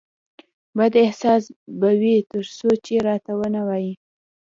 بد احساس به وي ترڅو چې راته ونه وایې